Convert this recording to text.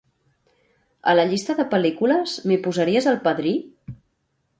A la llista de pel·lícules, m'hi posaries "El Padrí"?